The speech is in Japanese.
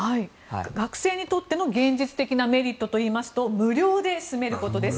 学生にとっての現実的なメリットといいますと無料で住めることです。